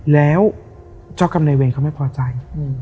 แล้วเจ้ากรรมนายเวรเขาไม่พอใจ